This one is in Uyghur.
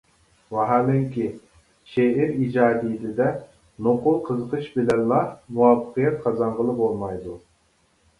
ۋاھالەنكى، شېئىر ئىجادىيىتىدە نوقۇل قىزىقىش بىلەنلا مۇۋەپپەقىيەت قازانغىلى بولمايدۇ.